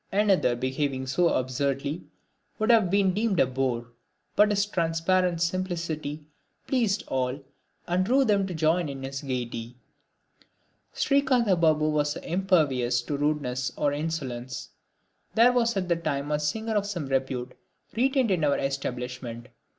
Another behaving so absurdly would have been deemed a bore, but his transparent simplicity pleased all and drew them to join in his gaiety. Srikantha Babu was impervious to rudeness or insolence. There was at the time a singer of some repute retained in our establishment.